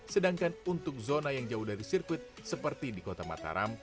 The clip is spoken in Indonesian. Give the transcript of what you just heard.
sedangkan untuk zona yang jauh dari sirkuit seperti di kota mataram